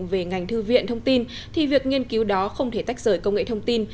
về ngành thư viện thông tin thì việc nghiên cứu đó không thể tách rời công nghệ thông tin